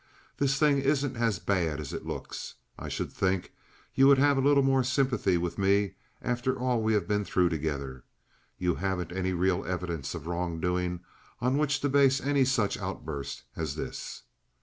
This thing isn't as bad as it looks. I should think you would have a little more sympathy with me after all we have been through together. You haven't any real evidence of wrong doing on which to base any such outburst as this."